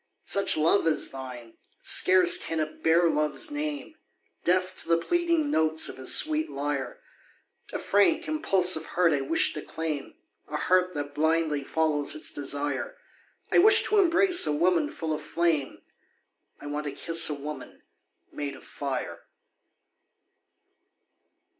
Such love as thine, scarce can it bear love's name, Deaf to the pleading notes of his sweet lyre, A frank, impulsive heart I wish to claim, A heart that blindly follows its desire. I wish to embrace a woman full of flame, I want to kiss a woman made of fire.